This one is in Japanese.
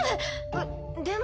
えっでも。